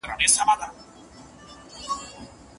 ډاکټر زموږ پاڼه نه وړاندي کوي.